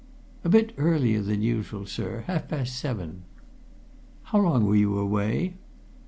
"A bit earlier than usual, sir half past seven." "How long were you away?"